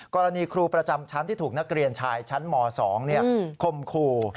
ครูประจำชั้นที่ถูกนักเรียนชายชั้นม๒คมคู่